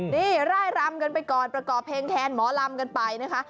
นี่ร่ายรำกันไปก่อนประกอบเพลงแทนหมอลำกันไปนะคะ